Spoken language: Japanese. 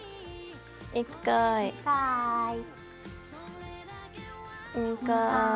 １回２回。